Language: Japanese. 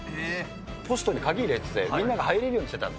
ポストに鍵入れてて、みんなが入れるようにしてたの。